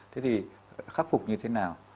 thế thì khắc phục như thế nào